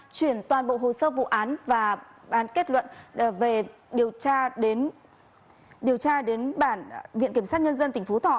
chuyển toàn bộ hồ sơ vụ án và bàn kết luận về điều tra đến điều tra đến bản viện kiểm sát nhân dân tỉnh phú thọ